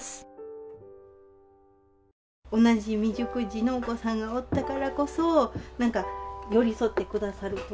同じ未熟児のお子さんがおったからこそなんか寄り添ってくださるというか。